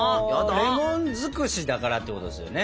レモン尽くしだからってことですよね。